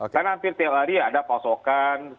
karena hampir tiap hari ada pasokan